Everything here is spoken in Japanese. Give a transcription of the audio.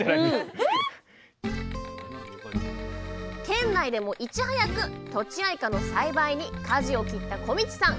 ⁉県内でもいち早くとちあいかの栽培にかじを切った小道さん。